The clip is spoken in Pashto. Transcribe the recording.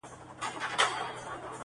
o پوليس کور ته راځي ناڅاپه,